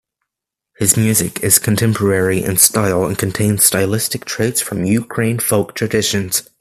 His music is contemporary in style and contains stylistic traits from Ukrainian folk traditions.